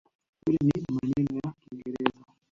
Yote ni maneno ya kiingereza.